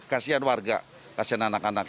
kasian warga kasian anak anak